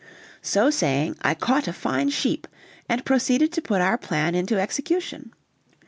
So saying, I caught a fine sheep, and proceeded to put our plan into execution.